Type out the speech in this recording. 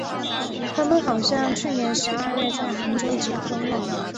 他们好像去年十二月在杭州结婚了。